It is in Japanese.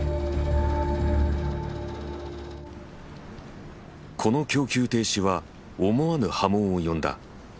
この供給停止は思わぬ波紋を呼んだ。